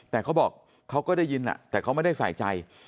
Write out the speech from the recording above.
แต่เขาบอกเขาก็ได้ยินแต่เขาไม่ได้ใส่ใจ